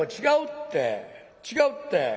違うって違うって。